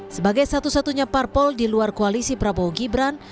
sebagai satu satunya parpol di luar koalisi prabowo gibran